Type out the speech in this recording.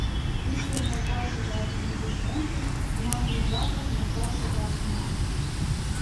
— Кӱшкӧ нӧлтал шогалтыме деч ончыч мландӱмбакак нӧлтал шогалтыман.